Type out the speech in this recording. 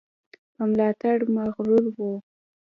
په ملاتړ مغرور وو.